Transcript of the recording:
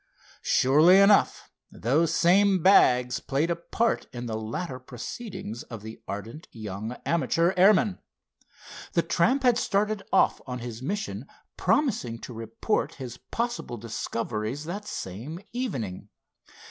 Surely enough, those same bags played a part in the later proceedings of the ardent young amateur airman. The tramp had started off on his mission, promising to report his possible discoveries that same evening.